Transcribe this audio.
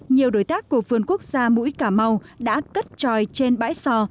nhiều đối tác của vườn quốc gia mũi cà mau đã cất tròi trên bãi sò